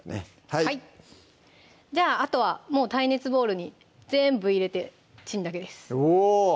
はいじゃああとは耐熱ボウルに全部入れてチンだけですおぉ！